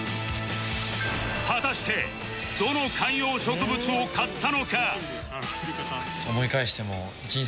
果たしてどの観葉植物を買ったのか？